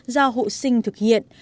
do hộ sinh thực hiện